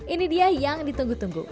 ini dia yang ditunggu tunggu